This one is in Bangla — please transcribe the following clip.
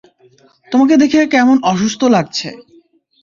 তোমাকে দেখে কেমন অসুস্থ লাগছে!